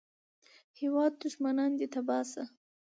هېواده دوښمنان دې تباه شه